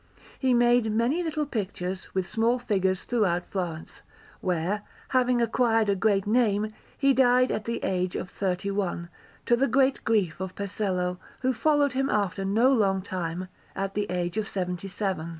He made many little pictures with small figures throughout Florence, where, having acquired a great name, he died at the age of thirty one; to the great grief of Pesello, who followed him after no long time, at the age of seventy seven.